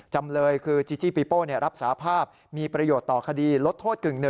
จำเลยคือจีจี้ปีโป้รับสาภาพมีประโยชน์ต่อคดีลดโทษกึ่ง๑